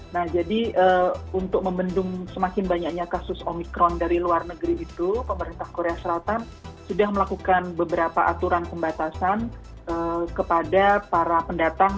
nah jadi untuk membendung semakin banyaknya kasus omikron dari luar negeri itu pemerintah korea selatan sudah melakukan beberapa aturan pembatasan kepada para pendatang